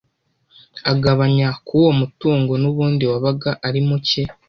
agabanya k'uwo mutungo n'ubundi wabaga ari muke.